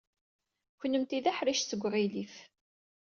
Kennemti d aḥric seg uɣilif.